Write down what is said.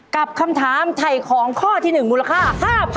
กับคำถามไถ่ของข้อที่๑มูลค่า๕๐๐๐